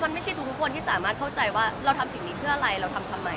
มันไม่ใช่ทุกคนที่สามารถเข้าใจว่าเราทำสิ่งนี้เพื่ออะไรเราทำทำไม